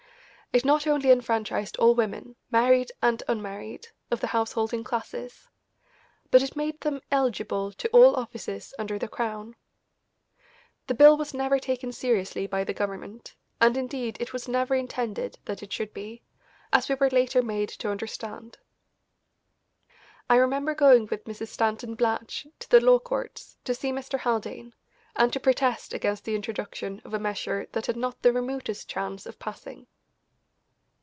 It not only enfranchised all women, married and unmarried, of the householding classes, but it made them eligible to all offices under the Crown. The bill was never taken seriously by the Government, and indeed it was never intended that it should be, as we were later made to understand. I remember going with Mrs. Stanton Blatch to the law courts to see Mr. Haldane, and to protest against the introduction of a measure that had not the remotest chance of passing.